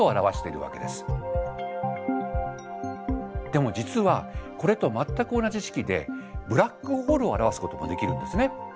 でも実はこれと全く同じ式でブラックホールを表すこともできるんですね。